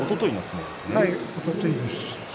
おとといです。